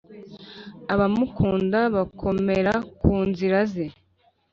abamukunda bakomera ku nzira ze